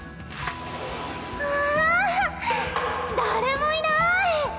わあ誰もいない！